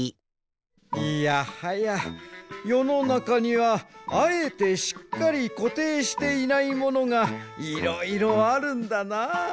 いやはやよのなかにはあえてしっかりこていしていないものがいろいろあるんだな。